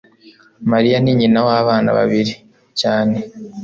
mariya ni nyina w'abana babiri cyane